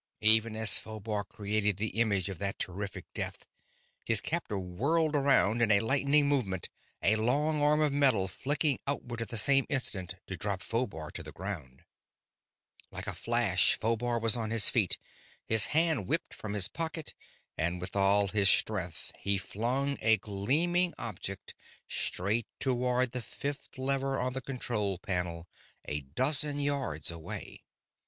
Even as Phobar created the image of that terrific death, his captor whirled around in a lightning movement, a long arm of metal flicking outward at the same instant to drop Phobar to the ground. Like a flash Phobar was on his feet; his hand whipped from his pocket, and with all his strength he flung a gleaming object straight toward the fifth lever on the control panel a dozen yards away.